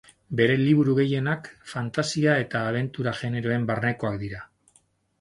Bere liburu gehienak fantasia eta abentura generoen barnekoak dira.